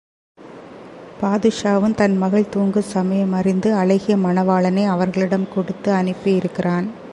பாதுஷாவும் தன் மகள் தூங்கும் சமயம் அறிந்து அழகிய மணவாளனை அவர்களிடம் கொடுத்து அனுப்பியிருக்கிறான்.